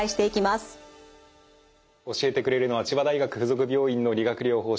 教えてくれるのは千葉大学附属病院の理学療法士